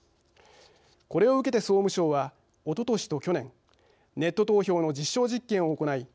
これを受けて総務省はおととしと去年ネット投票の実証実験を行い